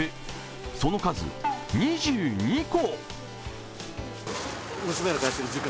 その数２２個！